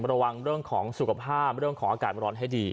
ระวังเรื่องของสุขภาพเรื่องของอากาศร้อนให้ดี